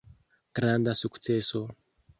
Granda sukceso!